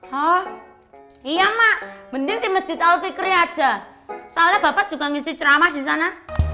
oh iya mak mending di masjid al fikri aja soalnya bapak juga ngisi ceramah di sana